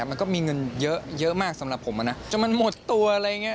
มันก็มีเงินเยอะเยอะมากสำหรับผมอ่ะนะจนมันหมดตัวอะไรอย่างเงี้